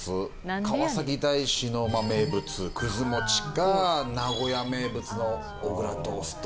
川崎大師の名物、くず餅か名古屋名物の小倉トースト。